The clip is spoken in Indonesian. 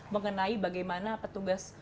mengenai bagaimana petugas